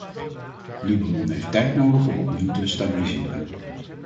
Libanon heeft tijd nodig om opnieuw te stabiliseren.